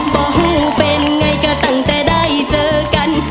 บอกเป็นไงก็ตั้งแต่ได้เจอกัน